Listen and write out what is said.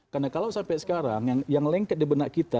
karena kalau sampai sekarang yang lengket di benak kita